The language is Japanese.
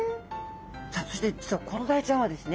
さあそして実はコロダイちゃんはですね